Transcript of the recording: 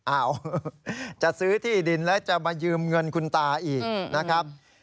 จะซื้อที่ดินแล้วจะมายืมเงินคุณตาอีกนะครับ